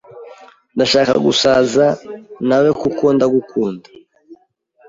Ndashaka gusaza na we kuko ndagukunda,